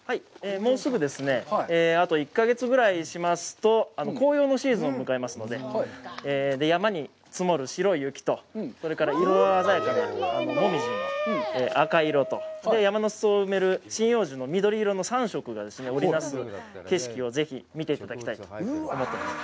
もうすぐですね、あと１か月ぐらいしますと、紅葉のシーズンを迎えますので、山に積もる白い雪と、それから色鮮やかなもみじの赤い色と山の裾を埋める針葉樹の緑の３色が織りなす景色をぜひ見ていただきたいと思っています。